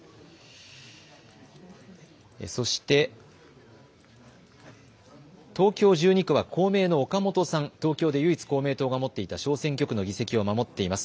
そして東京１２区は公明の岡本さん、東京で唯一、公明党が持っていた小選挙区の議席を守っています。